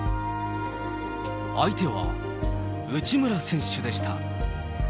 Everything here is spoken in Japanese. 相手は、内村選手でした。